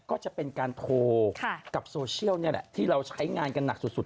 ก็จะเป็นการโทรกับโซเชียลนี่แหละที่เราใช้งานกันหนักสุด